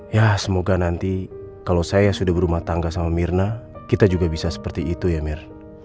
ya semoga nanti kalau saya yang sudah berumah tangga sama mirna kita juga bisa seperti itu ya mir